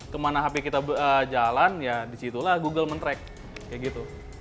kemana hp kita jalan ya disitulah google men track kayak gitu